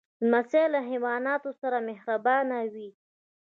لمسی له حیواناتو سره مهربانه وي.